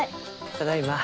ただいま。